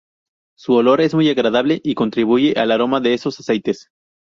Su olor es muy agradable y contribuye al aroma de esos aceites.